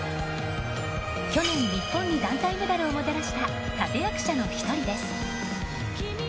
去年、日本に団体メダルをもたらした立て役者の一人です。